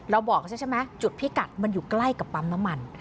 บอกใช่ไหมจุดพิกัดมันอยู่ใกล้กับปั๊มน้ำมัน